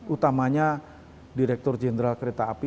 utamanya direktur jenderal kereta api